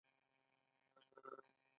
نیوټرون د چارچ له مخې څنګه ذره ده.